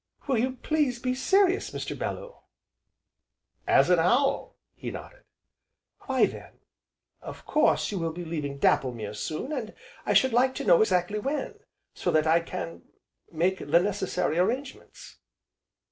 "Will you please be serious, Mr. Bellew!" "As an owl!" he nodded. "Why then of course you will be leaving Dapplemere soon, and I should like to know exactly when, so that I can make the necessary arrangements."